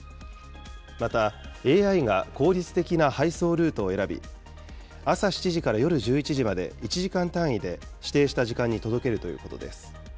またＡＩが効率的な配送ルートを選び、朝７時から夜１１時まで、１時間単位で、指定した時間に届けるということです。